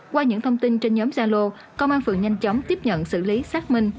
qua những thông tin trên nhóm gia lô công an phường nhanh chóng tiếp nhận xử lý xác minh